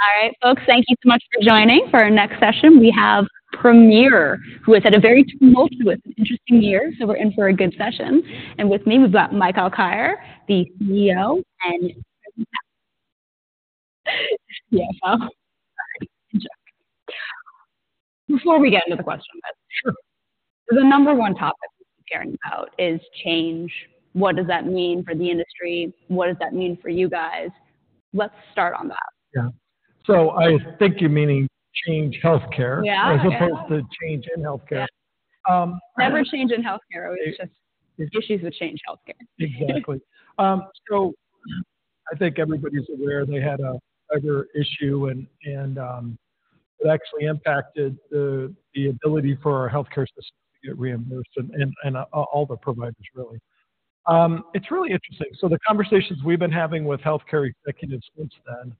All right, folks, thank you so much for joining. For our next session, we have Premier, who is at a very tumultuous and interesting year, so we're in for a good session. And with me, we've got Mike Alkire, the CEO, and [Craig McKasson,] CFO. Before we get into the question then, the number one topic we've been hearing about is Change. What does that mean for the industry? What does that mean for you guys? Let's start on that. Yeah. So I think you're meaning Change Healthcare as opposed to change in healthcare. Yeah. Never change in healthcare. It was just issues with Change Healthcare. Exactly. So I think everybody's aware they had a cyber issue, and it actually impacted the ability for our healthcare systems to get reimbursed and all the providers, really. It's really interesting. So the conversations we've been having with healthcare executives since then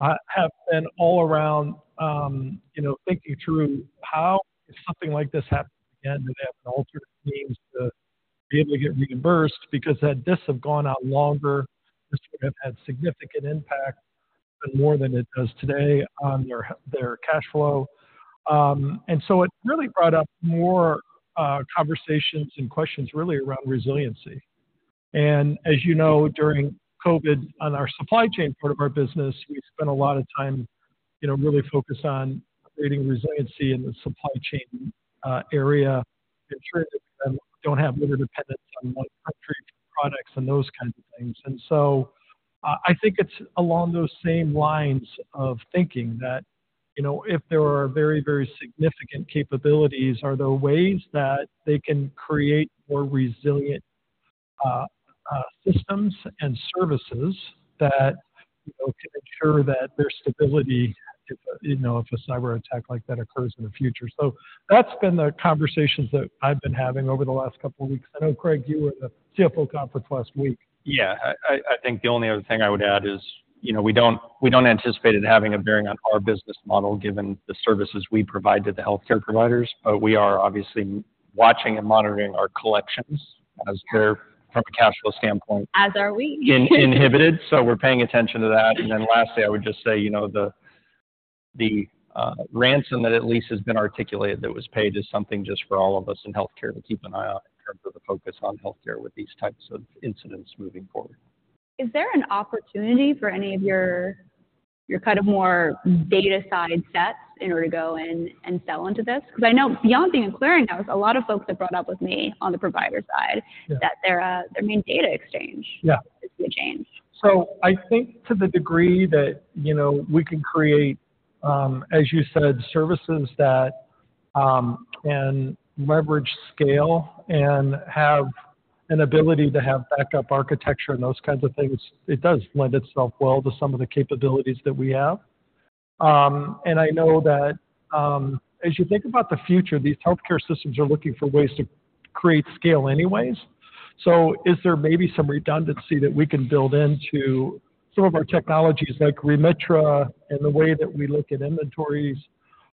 have been all around thinking through how, if something like this happens again, do they have alternate means to be able to get reimbursed? Because had this have gone out longer, this would have had significant impact, more than it does today, on their cash flow. And so it really brought up more conversations and questions, really, around resiliency. And as you know, during COVID, on our supply chain part of our business, we spent a lot of time really focused on creating resiliency in the supply chain area, ensuring that we don't have interdependence on one country for products and those kinds of things. And so I think it's along those same lines of thinking that if there are very, very significant capabilities, are there ways that they can create more resilient systems and services that can ensure that there's stability if a cyberattack like that occurs in the future? So that's been the conversations that I've been having over the last couple of weeks. I know, Craig, you were at the CFO conference last week. Yeah. I think the only other thing I would add is we don't anticipate it having a bearing on our business model given the services we provide to the healthcare providers. But we are obviously watching and monitoring our collections as they're, from a cash flow standpoint. As are we. Inhibited. So we're paying attention to that. Then lastly, I would just say the ransom that at least has been articulated that was paid is something just for all of us in healthcare to keep an eye on in terms of the focus on healthcare with these types of incidents moving forward. Is there an opportunity for any of your kind of more data-side sets in order to go in and sell into this? Because I know beyond being in clearinghouse, a lot of folks have brought up with me on the provider side that their main data exchange is going to change. Yeah. So I think to the degree that we can create, as you said, services that can leverage scale and have an ability to have backup architecture and those kinds of things, it does lend itself well to some of the capabilities that we have. And I know that as you think about the future, these healthcare systems are looking for ways to create scale anyways. So is there maybe some redundancy that we can build into some of our technologies like Remitra and the way that we look at inventories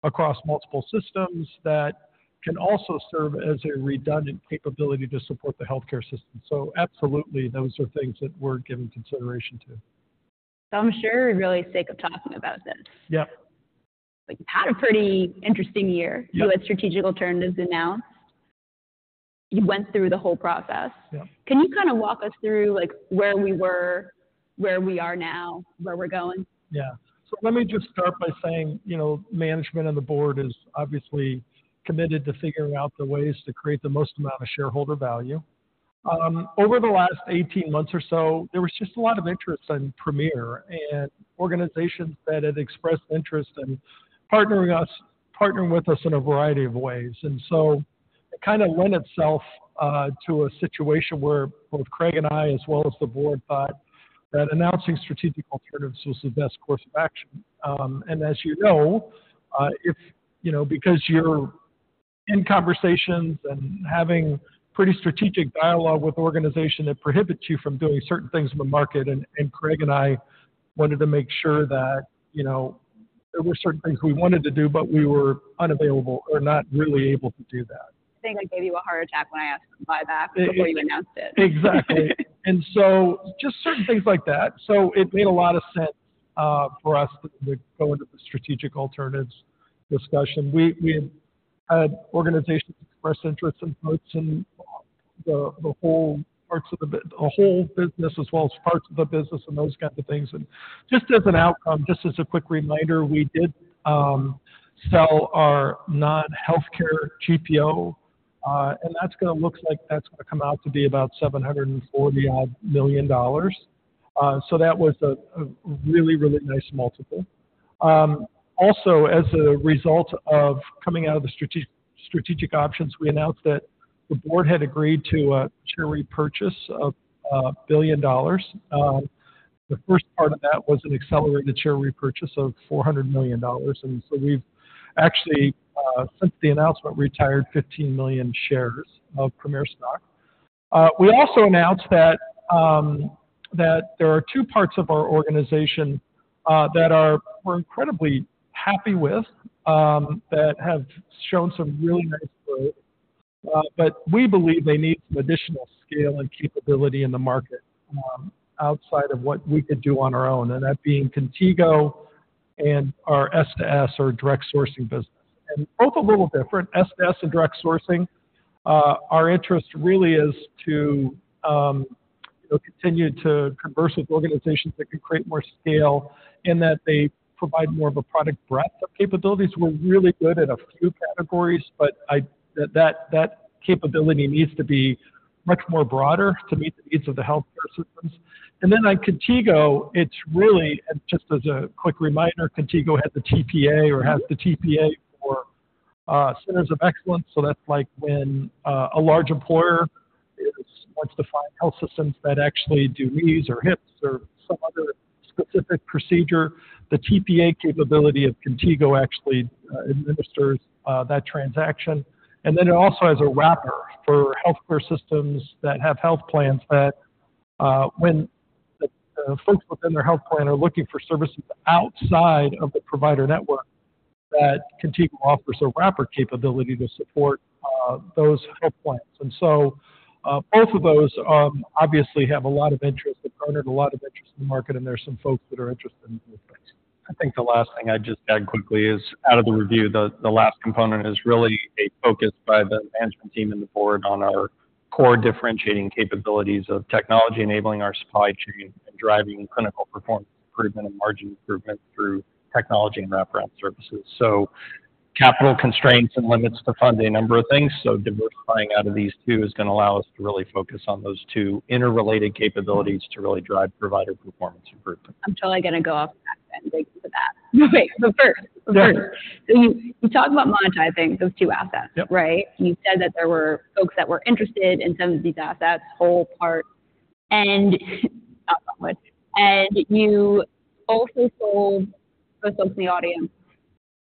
across multiple systems that can also serve as a redundant capability to support the healthcare system? So absolutely, those are things that we're giving consideration to. I'm sure we're really sick of talking about this. We've had a pretty interesting year. your strategic turn is announced. You went through the whole process. Can you kind of walk us through where we were, where we are now, where we're going? Yeah. So let me just start by saying management and the board is obviously committed to figuring out the ways to create the most amount of shareholder value. Over the last 18 months or so, there was just a lot of interest in Premier and organizations that had expressed interest in partnering with us in a variety of ways. And so it kind of lent itself to a situation where both Craig and I, as well as the board, thought that announcing strategic alternatives was the best course of action. And as you know, because you're in conversations and having pretty strategic dialogue with organizations that prohibit you from doing certain things in the market, and Craig and I wanted to make sure that there were certain things we wanted to do, but we were unavailable or not really able to do that. I think I gave you a heart attack when I asked to buy back before you announced it. Exactly. And so just certain things like that. So it made a lot of sense for us to go into the strategic alternatives discussion. We had organizations express interest in parts and the whole parts of the whole business as well as parts of the business and those kinds of things. And just as an outcome, just as a quick reminder, we did sell our non-healthcare GPO, and that's going to come out to be about $740-odd million. So that was a really, really nice multiple. Also, as a result of coming out of the strategic options, we announced that the board had agreed to a share repurchase of $1 billion. The first part of that was an accelerated share repurchase of $400 million. And so we've actually, since the announcement, retired 15 million shares of Premier stock. We also announced that there are two parts of our organization that we're incredibly happy with that have shown some really nice growth, but we believe they need some additional scale and capability in the market outside of what we could do on our own, and that being Contigo and our S2S, our direct sourcing business. Both a little different. S2S and direct sourcing, our interest really is to continue to converse with organizations that can create more scale in that they provide more of a product breadth of capabilities. We're really good at a few categories, but that capability needs to be much more broader to meet the needs of the healthcare systems. Then on Contigo, it's really just as a quick reminder, Contigo has the TPA or has the TPA for centers of excellence. So that's when a large employer wants to find health systems that actually do knees or hips or some other specific procedure, the TPA capability of Contigo actually administers that transaction. Then it also has a wrapper for healthcare systems that have health plans that when folks within their health plan are looking for services outside of the provider network, that Contigo offers a wrapper capability to support those health plans. So both of those obviously have a lot of interest. They've garnered a lot of interest in the market, and there's some folks that are interested in both things. I think the last thing I'd just add quickly is, out of the review, the last component is really a focus by the management team and the board on our core differentiating capabilities of technology enabling our supply chain and driving clinical performance improvement and margin improvement through technology and wraparound services. So capital constraints and limits to funding, a number of things. So diversifying out of these two is going to allow us to really focus on those two interrelated capabilities to really drive provider performance improvement. I'm totally going to go off track then dig into that. But wait, but first, but first, so you talked about monetizing those two assets, right? You said that there were folks that were interested in some of these assets, whole part, and not that much. And you also sold, for folks in the audience,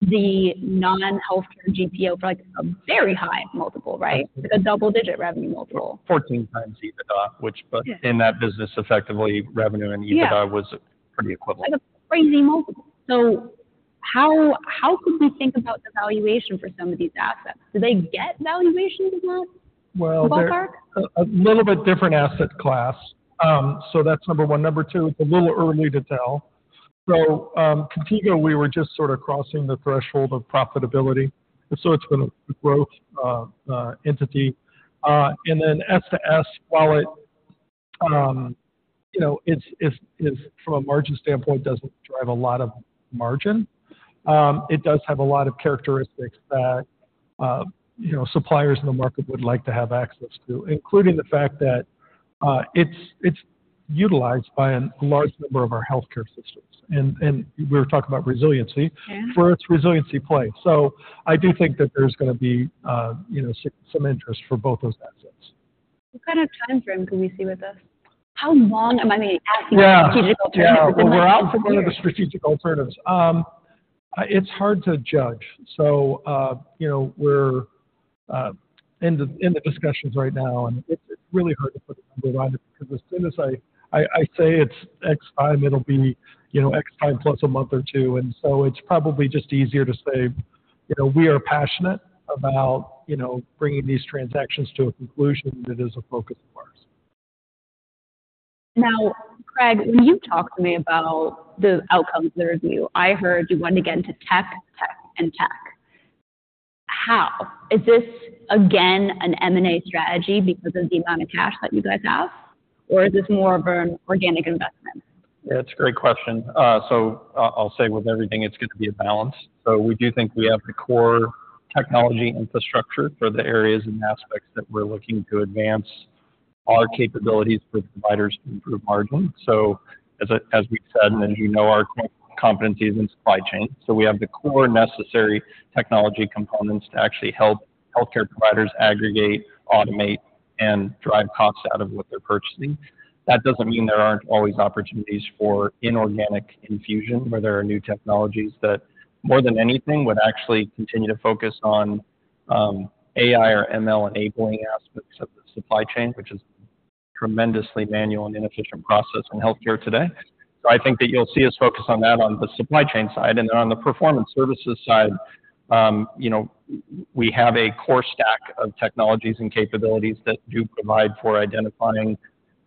the non-healthcare GPO for a very high multiple, right? It's like a double-digit revenue multiple. 14x EBITDA, which in that business, effectively, revenue and EBITDA was pretty equivalent. That's a crazy multiple. So how could we think about the valuation for some of these assets? Do they get valuation from that ballpark? Well, they're a little bit different asset class. So that's number one. Number two, it's a little early to tell. So Contigo, we were just sort of crossing the threshold of profitability. And so it's been a growth entity. And then S2S, while it, from a margin standpoint, doesn't drive a lot of margin, it does have a lot of characteristics that suppliers in the market would like to have access to, including the fact that it's utilized by a large number of our healthcare systems. And we were talking about resiliency for its resiliency play. So I do think that there's going to be some interest for both those assets. What kind of time frame can we see with this? How long am I maybe asking strategic alternatives in the market? Yeah. Well, we're out for one of the strategic alternatives. It's hard to judge. So we're in the discussions right now, and it's really hard to put a number on it because as soon as I say it's X time, it'll be X time plus a month or two. And so it's probably just easier to say we are passionate about bringing these transactions to a conclusion. It is a focus of ours. Now, Craig, when you talked to me about the outcomes of the review, I heard you went again to tech, tech, and tech. How? Is this, again, an M&A strategy because of the amount of cash that you guys have, or is this more of an organic investment? Yeah. It's a great question. So I'll say with everything, it's going to be a balance. So we do think we have the core technology infrastructure for the areas and aspects that we're looking to advance our capabilities for providers to improve margin. So as we've said and as you know, our competency is in supply chain. So we have the core necessary technology components to actually help healthcare providers aggregate, automate, and drive costs out of what they're purchasing. That doesn't mean there aren't always opportunities for inorganic infusion where there are new technologies that, more than anything, would actually continue to focus on AI or ML enabling aspects of the supply chain, which is a tremendously manual and inefficient process in healthcare today. So I think that you'll see us focus on that on the supply chain side. On the performance services side, we have a core stack of technologies and capabilities that do provide for identifying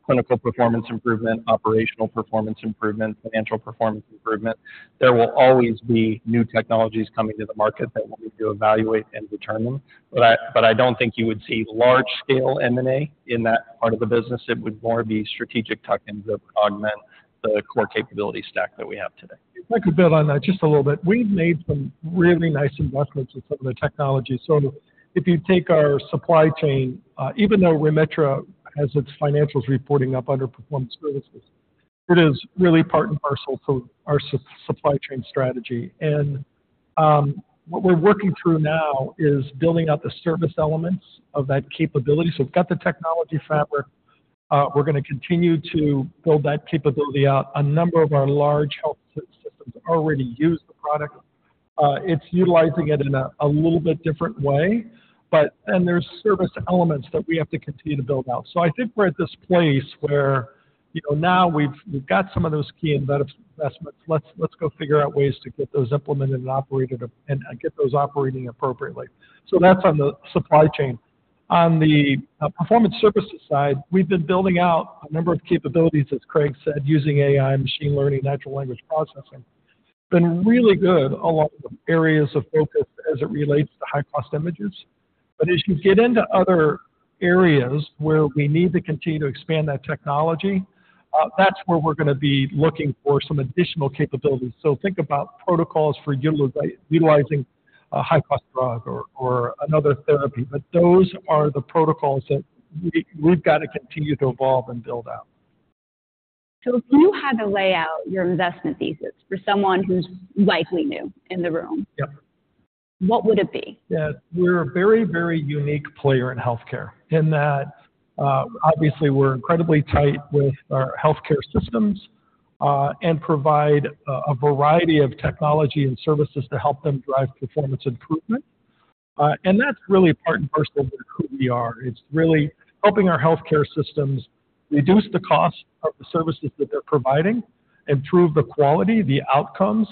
clinical performance improvement, operational performance improvement, financial performance improvement. There will always be new technologies coming to the market that we need to evaluate and determine. But I don't think you would see large-scale M&A in that part of the business. It would more be strategic tuck-ins that would augment the core capability stack that we have today. If I could build on that just a little bit, we've made some really nice investments in some of the technologies. So if you take our supply chain, even though Remitra has its financials reporting up under performance services, it is really part and parcel for our supply chain strategy. And what we're working through now is building out the service elements of that capability. So we've got the technology fabric. We're going to continue to build that capability out. A number of our large health systems already use the product. It's utilizing it in a little bit different way. And there's service elements that we have to continue to build out. So I think we're at this place where now we've got some of those key investments. Let's go figure out ways to get those implemented and get those operating appropriately. So that's on the supply chain. On the performance services side, we've been building out a number of capabilities, as Craig said, using AI, machine learning, natural language processing. Been really good in the areas of focus as it relates to high-cost imaging. But as you get into other areas where we need to continue to expand that technology, that's where we're going to be looking for some additional capabilities. So think about protocols for utilizing a high-cost drug or another therapy. But those are the protocols that we've got to continue to evolve and build out. If you had to lay out your investment thesis for someone who's likely new in the room, what would it be? Yeah. We're a very, very unique player in healthcare in that, obviously, we're incredibly tight with our healthcare systems and provide a variety of technology and services to help them drive performance improvement. And that's really part and parcel of who we are. It's really helping our healthcare systems reduce the cost of the services that they're providing, improve the quality, the outcomes,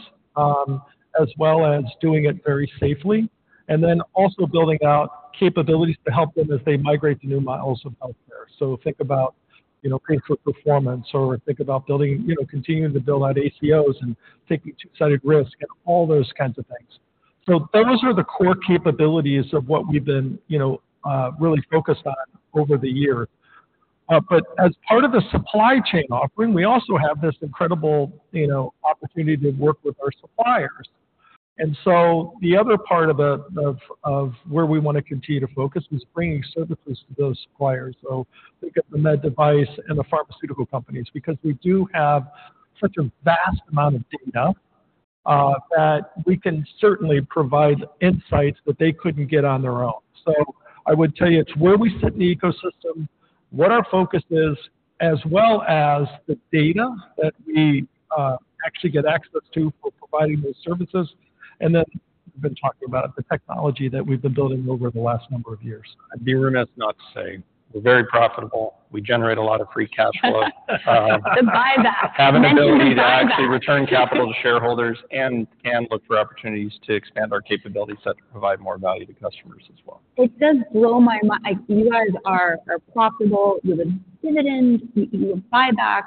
as well as doing it very safely, and then also building out capabilities to help them as they migrate to new models of healthcare. So think about pay for performance or think about continuing to build out ACOs and taking two-sided risk and all those kinds of things. So those are the core capabilities of what we've been really focused on over the years. But as part of the supply chain offering, we also have this incredible opportunity to work with our suppliers. And so the other part of where we want to continue to focus is bringing services to those suppliers. So think of the med device and the pharmaceutical companies because we do have such a vast amount of data that we can certainly provide insights that they couldn't get on their own. So I would tell you it's where we sit in the ecosystem, what our focus is, as well as the data that we actually get access to for providing those services. And then we've been talking about the technology that we've been building over the last number of years. I'd be remiss not to say we're very profitable. We generate a lot of free cash flow. The buyback. Having the ability to actually return capital to shareholders and look for opportunities to expand our capabilities that provide more value to customers as well. It does blow my mind. You guys are profitable. You have a dividend. You have buybacks.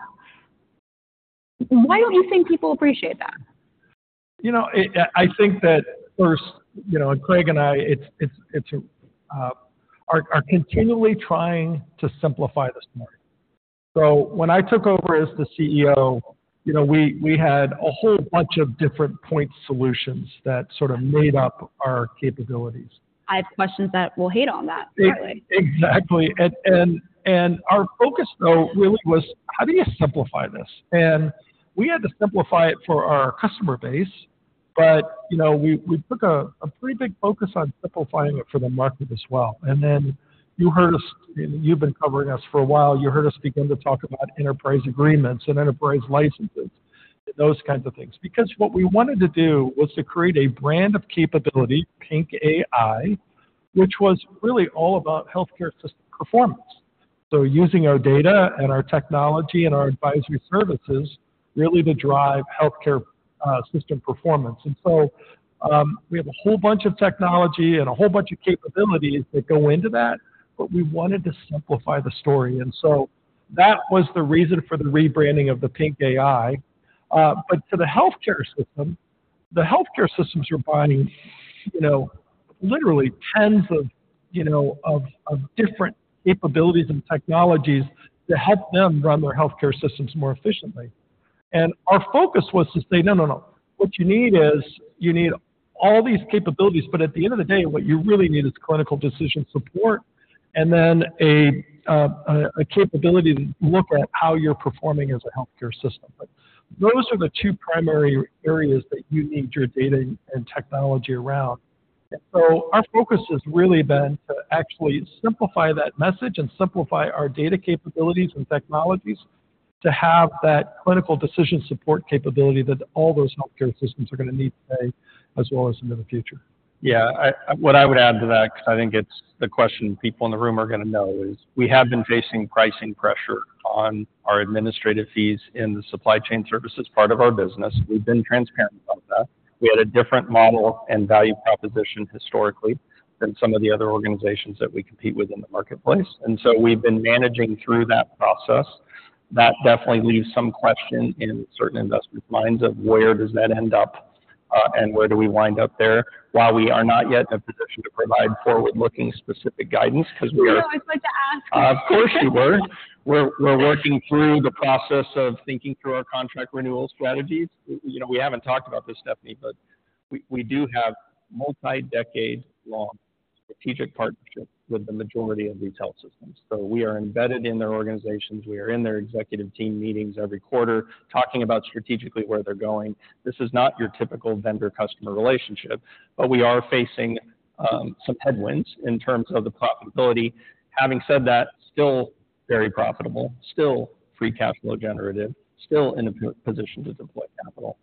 Why don't you think people appreciate that? I think that first, and Craig and I, we're continually trying to simplify this morning. So when I took over as the CEO, we had a whole bunch of different point solutions that sort of made up our capabilities. I have questions that we'll hate on that, apparently. Exactly. And our focus, though, really was, how do you simplify this? And we had to simplify it for our customer base, but we took a pretty big focus on simplifying it for the market as well. And then you heard us. You've been covering us for a while. You heard us begin to talk about enterprise agreements and enterprise licenses and those kinds of things because what we wanted to do was to create a brand of capability, PINC AI, which was really all about healthcare system performance, so using our data and our technology and our advisory services really to drive healthcare system performance. And so we have a whole bunch of technology and a whole bunch of capabilities that go into that, but we wanted to simplify the story. And so that was the reason for the rebranding of the PINC AI. But for the healthcare system, the healthcare systems were buying literally tens of different capabilities and technologies to help them run their healthcare systems more efficiently. And our focus was to say, "No, no, no. What you need is you need all these capabilities. But at the end of the day, what you really need is clinical decision support and then a capability to look at how you're performing as a healthcare system." But those are the two primary areas that you need your data and technology around. And so our focus has really been to actually simplify that message and simplify our data capabilities and technologies to have that clinical decision support capability that all those healthcare systems are going to need today as well as into the future. Yeah. What I would add to that, because I think it's the question people in the room are going to know, is we have been facing pricing pressure on our administrative fees in the supply chain services part of our business. We've been transparent about that. We had a different model and value proposition historically than some of the other organizations that we compete with in the marketplace. And so we've been managing through that process. That definitely leaves some question in certain investment minds of where does that end up, and where do we wind up there while we are not yet in a position to provide forward-looking specific guidance because we are. I know. I was going to ask you. Of course you were. We're working through the process of thinking through our contract renewal strategies. We haven't talked about this, Stephanie, but we do have multi-decade-long strategic partnership with the majority of these health systems. So we are embedded in their organizations. We are in their executive team meetings every quarter talking about strategically where they're going. This is not your typical vendor-customer relationship, but we are facing some headwinds in terms of the profitability. Having said that, still very profitable, still free cash flow generative, still in a position to deploy capital.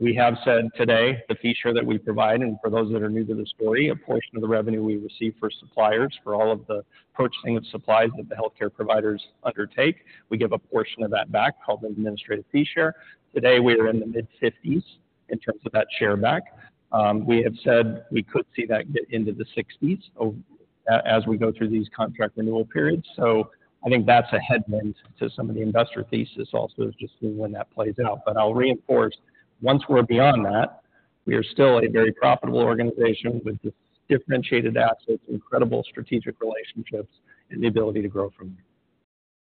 We have said today the fee share that we provide, and for those that are new to the story, a portion of the revenue we receive from suppliers for all of the purchasing of supplies that the healthcare providers undertake. We give a portion of that back called an Administrative Fee Share. Today, we are in the mid-50s in terms of that share back. We have said we could see that get into the 60s as we go through these contract renewal periods. So I think that's a headwind to some of the investor thesis also is just seeing when that plays out. But I'll reinforce, once we're beyond that, we are still a very profitable organization with differentiated assets, incredible strategic relationships, and the ability to grow from there.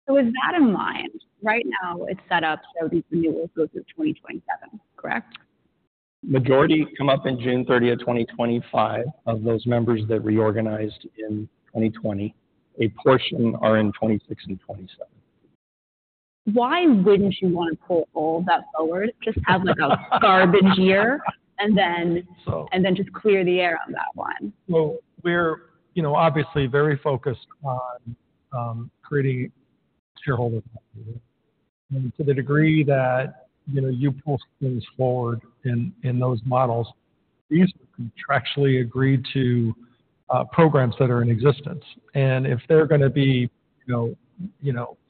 So with that in mind, right now, it's set up so these renewals go through 2027, correct? Majority come up in June 30th, 2025, of those members that reorganized in 2020. A portion are in 2026 and 2027. Why wouldn't you want to pull all of that forward, just have a garbage year, and then just clear the air on that one? We're obviously very focused on creating shareholder value to the degree that you pull things forward in those models. These are contractually agreed to programs that are in existence. If they're going to be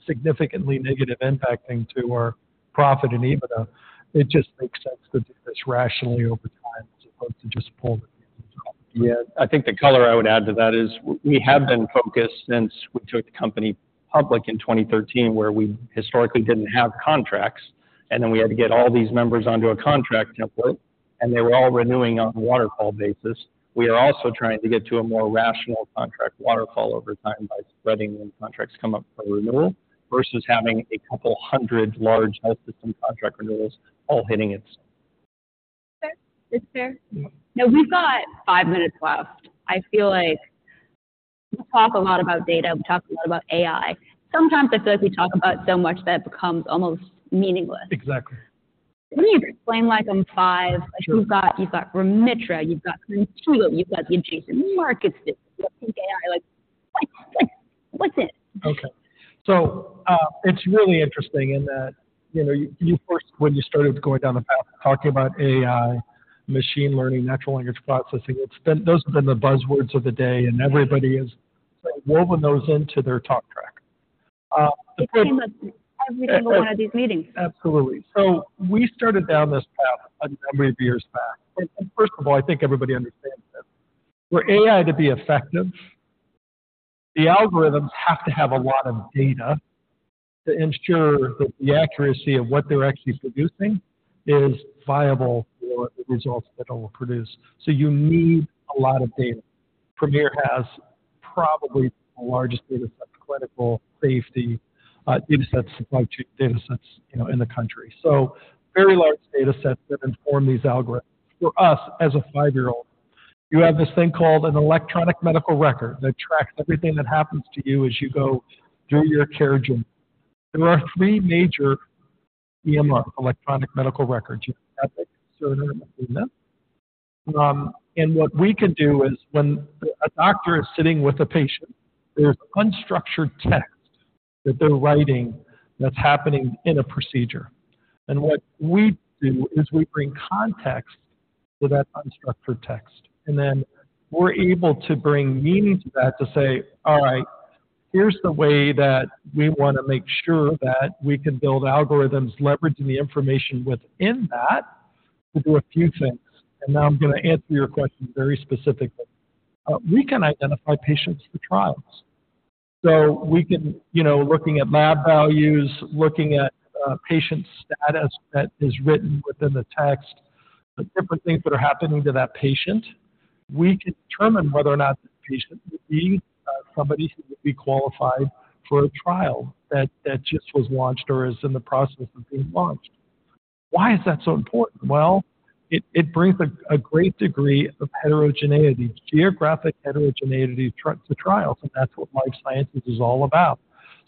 significantly negative impacting to our profit and EBITDA, it just makes sense to do this rationally over time as opposed to just pull the pieces off. Yeah. I think the color I would add to that is we have been focused since we took the company public in 2013 where we historically didn't have contracts. And then we had to get all these members onto a contract template, and they were all renewing on a waterfall basis. We are also trying to get to a more rational contract waterfall over time by spreading when contracts come up for renewal versus having a couple hundred large health system contract renewals all hitting at the same time. Okay. Is it fair? Now, we've got five minutes left. I feel like we talk a lot about data. We talk a lot about AI. Sometimes I feel like we talk about so much that it becomes almost meaningless. Exactly. Let me explain like I'm five. You've got Remitra. You've got Contigo. You've got the adjacent markets. You've got PINC AI. What's it? Okay. It's really interesting in that when you started going down the path talking about AI, machine learning, natural language processing, those have been the buzzwords of the day, and everybody is woven those into their talk track. It came up in every single one of these meetings. Absolutely. So we started down this path a number of years back. And first of all, I think everybody understands this. For AI to be effective, the algorithms have to have a lot of data to ensure that the accuracy of what they're actually producing is viable for the results that it will produce. So you need a lot of data. Premier has probably the largest dataset, clinical safety datasets, supply chain datasets in the country. So very large datasets that inform these algorithms. For us, as a five-year-old, you have this thing called an Electronic Medical Record that tracks everything that happens to you as you go through your care journey. There are three major EMR, Electronic Medical Records. You have the Epic, Cerner, and Athena. What we can do is when a doctor is sitting with a patient, there's unstructured text that they're writing that's happening in a procedure. And what we do is we bring context to that unstructured text. And then we're able to bring meaning to that to say, "All right. Here's the way that we want to make sure that we can build algorithms leveraging the information within that to do a few things." And now I'm going to answer your question very specifically. We can identify patients for trials. So we can, looking at lab values, looking at patient status that is written within the text, different things that are happening to that patient, we can determine whether or not that patient would be somebody who would be qualified for a trial that just was launched or is in the process of being launched. Why is that so important? Well, it brings a great degree of heterogeneity, geographic heterogeneity to trials, and that's what life sciences is all about.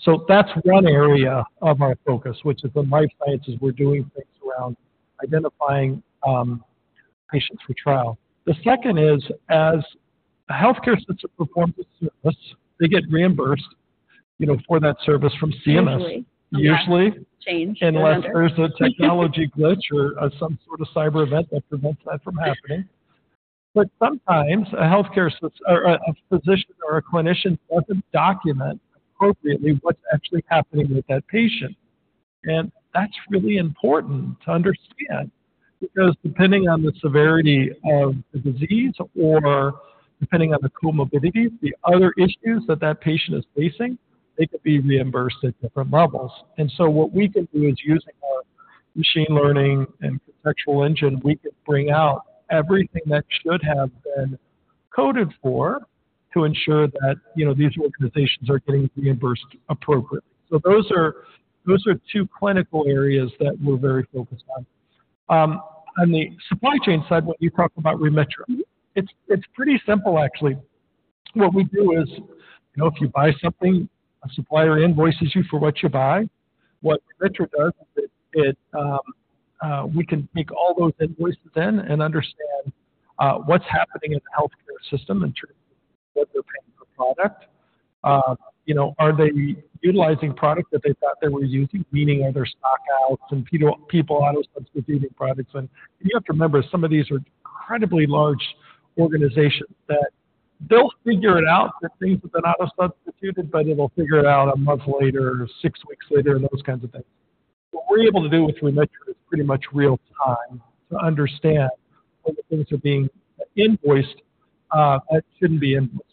So that's one area of our focus, which is in life sciences, we're doing things around identifying patients for trial. The second is, as a healthcare system performs a service, they get reimbursed for that service from CMS. Usually. Usually. Change. Unless there's a technology glitch or some sort of cyber event that prevents that from happening. Sometimes a healthcare system, a physician, or a clinician doesn't document appropriately what's actually happening with that patient. That's really important to understand because depending on the severity of the disease or depending on the comorbidities, the other issues that that patient is facing, they could be reimbursed at different levels. What we can do is, using our machine learning and contextual engine, we can bring out everything that should have been coded for to ensure that these organizations are getting reimbursed appropriately. Those are two clinical areas that we're very focused on. On the supply chain side, when you talk about Remitra, it's pretty simple, actually. What we do is, if you buy something, a supplier invoices you for what you buy. What Remitra does is that we can take all those invoices in and understand what's happening in the healthcare system in terms of what they're paying for product. Are they utilizing product that they thought they were using? Meaning, are there stockouts and people auto-substituting products? You have to remember, some of these are incredibly large organizations that they'll figure it out that things have been auto-substituted, but it'll figure it out a month later or six weeks later and those kinds of things. What we're able to do with Remitra is pretty much real-time to understand when things are being invoiced that shouldn't be invoiced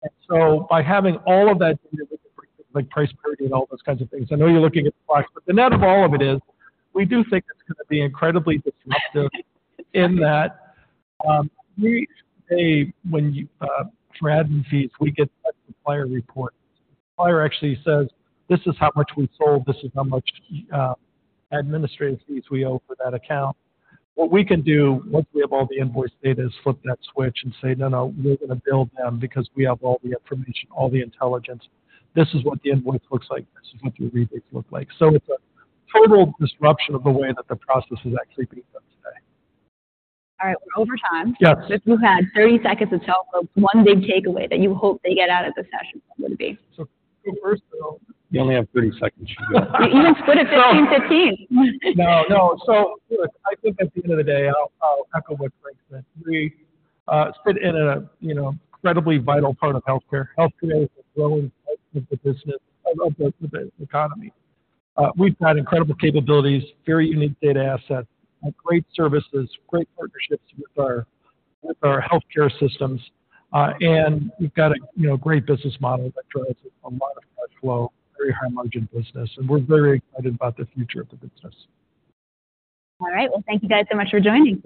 for. So by having all of that data, we can bring things like price parity and all those kinds of things. I know you're looking at the clocks, but the net of all of it is we do think it's going to be incredibly disruptive in that we should say, when you track fees, we get supplier reports. The supplier actually says, "This is how much we sold. This is how much administrative fees we owe for that account." What we can do, once we have all the invoice data, is flip that switch and say, "No, no. We're going to bill them because we have all the information, all the intelligence. This is what the invoice looks like. This is what your rebates look like." So it's a total disruption of the way that the process is actually being done today. All right. We're over time. If you had 30 seconds to tell folks one big takeaway that you hope they get out of this session, what would it be? Go first, though. You only have 30 seconds. You can split it 15-15. No, no. So look, I think at the end of the day, I'll echo what Craig said. We sit in an incredibly vital part of healthcare. Healthcare is a growing part of the business, of the economy. We've got incredible capabilities, very unique data assets, great services, great partnerships with our healthcare systems. And we've got a great business model that drives a lot of cash flow, very high-margin business. And we're very excited about the future of the business. All right. Well, thank you guys so much for joining me.